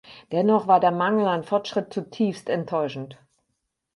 Dennoch war der Mangel an Fortschritt zutiefst enttäuschend.